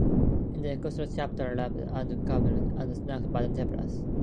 In the extra chapter Raphah and the Keruvim are snatched by the Seloth.